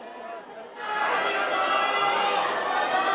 ありがとう！